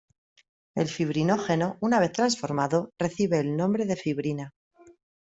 El fibrinógeno, una vez transformado, recibe el nombre de fibrina.